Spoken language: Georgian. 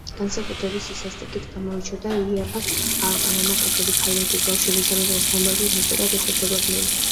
განსაკუთრებით სისასტიკით გამოირჩეოდა იაფას ალყა, მამაკაცები, ქალები, ბავშვები სამი დღის განმავლობაში სასტიკად იხოცებოდნენ.